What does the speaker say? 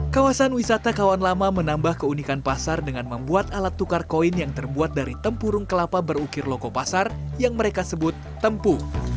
kawasan wisata kawan lama menambah keunikan pasar dengan membuat alat tukar koin yang terbuat dari tempurung kelapa berukir loko pasar yang mereka sebut tempu